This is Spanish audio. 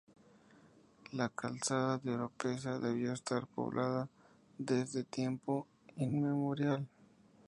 La Calzada de Oropesa debió estar poblada desde tiempo inmemorial.